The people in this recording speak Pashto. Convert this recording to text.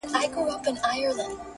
د الف لیله و لیله د کتاب د ریچارډ .!